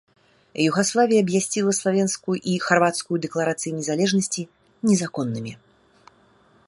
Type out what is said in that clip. Югаславія абвясціла славенскую і харвацкую дэкларацыі незалежнасці незаконнымі.